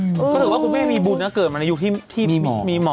รู้สึกว่าคุณแม่มีบุญนะเกิดมาในยุคที่มีหมอ